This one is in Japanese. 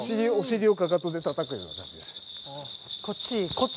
こっち